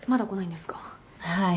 はい。